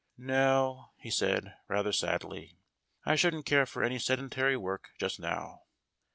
"No," he said, rather sadly, "I shouldn't care for any sedentary work just now."